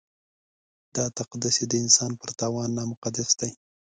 دا تقدس یې د انسان پر تاوان نامقدس دی.